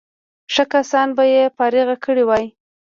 ښه کسان به یې فارغ کړي وای.